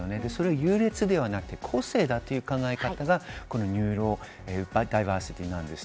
優劣ではなく、個性だという考え方がニューロダイバーシティです。